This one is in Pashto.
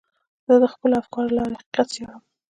زه د خپلو افکارو له لارې حقیقت څېړم.